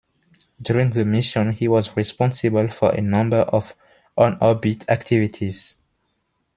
During the mission he was responsible for a number of on-orbit activities.